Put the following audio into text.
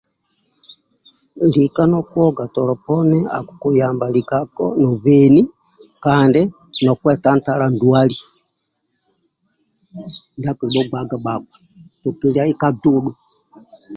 Lika nokuoga toli poni akukuyamba likako nobeni kandi no kwetantala ndwali ndia akibhugbaga bhakpa tukilia ka dudhu